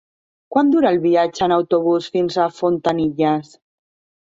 Quant dura el viatge en autobús fins a Fontanilles?